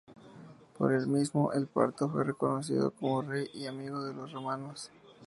Por el mismo, el parto fue reconocido como rey y amigo de los romanos.